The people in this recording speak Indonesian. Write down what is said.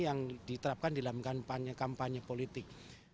yang diterapkan dalam kampanye kampanye politik